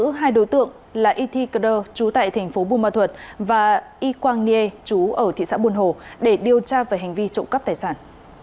giữ hai đối tượng là y thi cờ đơ chú tại thành phố bù mơ thuật và y quang nghê chú ở thị xã buồn hồ để điều tra về hành vi trộm cắp tài sản